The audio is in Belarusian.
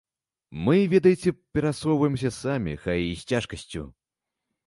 Мы, ведаеце, перасоўваемся самі, хай і з цяжкасцю.